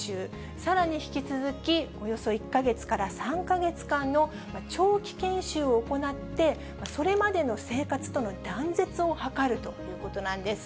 そして、集団生活をしながら、およそ１か月間の研修、さらに引き続き、およそ１か月から３か月間の長期研修を行って、それまでの生活との断絶を図るということなんです。